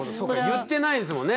言ってないですもんね